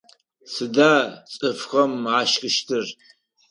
Сыда цӏыфхэм ашхыщтыр?